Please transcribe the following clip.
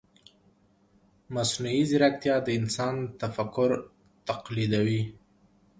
مصنوعي ځیرکتیا د انسان تفکر تقلیدوي.